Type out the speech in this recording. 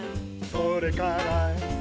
「それから」